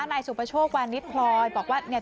ไหนสุปชสวร์นวันนิสพลอยบอกว่า